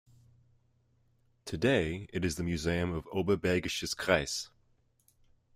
Today it is the Museum of Oberbergisches Kreis.